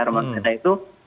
rumah kereta itu